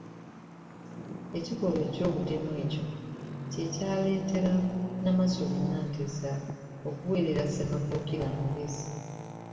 Ekikolwa eky'obutemu ekyo kye kyaleetera Namasole Nanteza okuweerera Ssemakookiro amagezi.